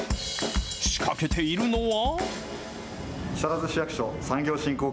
仕掛けているのは。